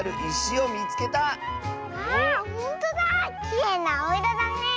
きれいなあおいろだねえ。